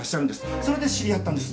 それで知り合ったんです。